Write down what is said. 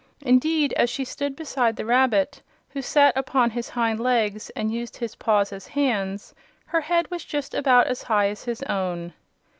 Indeed, as she stood beside the rabbit, who sat upon his hind legs and used his paws as hands, her head was just about as high as his own.